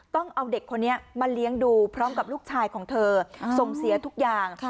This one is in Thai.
ต้องเอาเด็กคนนี้มาเลี้ยงดูพร้อมกับลูกชายของเธอส่งเสียทุกอย่าง